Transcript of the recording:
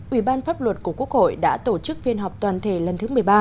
ủy ban pháp luật của quốc hội đã tổ chức phiên họp toàn thể lần thứ một mươi ba